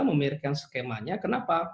memikirkan skemanya kenapa